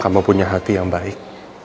kamu punya hati yang baik